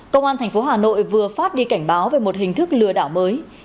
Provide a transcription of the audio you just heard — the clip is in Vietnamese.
công an thành phố hà nội vừa phát đi cảnh báo về một hình thức lừa đảo mới